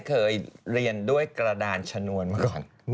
เคยเรียนด้วยกระดานชนวนมาก่อน